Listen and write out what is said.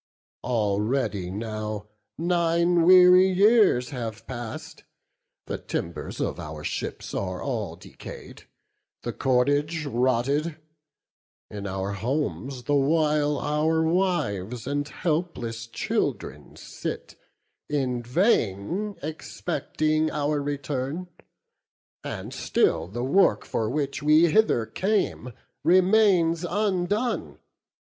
Already now nine weary years have pass'd; The timbers of our ships are all decay'd, The cordage rotted; in our homes the while Our wives and helpless children sit, in vain Expecting our return; and still the work, For which we hither came, remains undone.